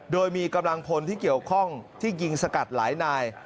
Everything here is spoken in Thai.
โดยมีกำลังพลที่เกี่ยวข้องที่ยิงสกัดหลายนาย